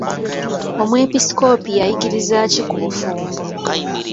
Omwepiskoopi yayigirizza ki ku bufumbo?